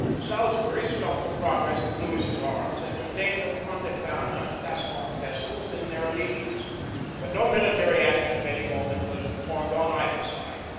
Salisbury stopped the progress of Lewis's arms, and retained the Poictevin and Gascon vassals in their allegiance: but no military action of any moment was performed on either side.